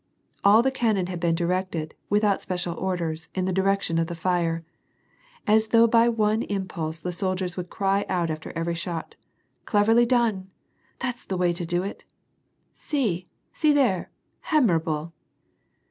All the cannon had been directed, without special orders, in the direction of the fire. As though by one impulse the sol diers would cry out after every shot, Cleverly done!" —" That's the way to do it !"—" See ! see there ! admirable